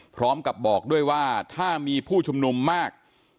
พร้อมกับบอกด้วยว่าถ้ามีผู้ชุมนุมมาก